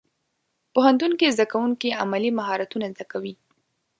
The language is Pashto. پوهنتون کې زدهکوونکي عملي مهارتونه زده کوي.